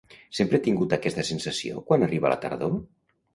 Sempre ha tingut aquesta sensació quan arriba la tardor?